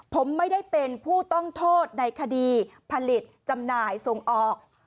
ผมไม่ได้เป็นผู้ต้องโทษในคดีผลิตจำหน่ายส่งออก